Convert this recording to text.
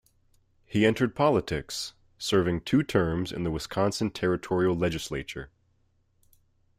He entered politics, serving two terms in the Wisconsin Territorial Legislature.